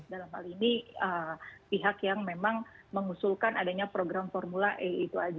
dalam hal ini pihak yang memang mengusulkan adanya program formula e itu aja